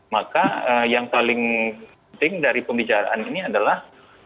maka yang paling penting dari pembicaraan ini adalah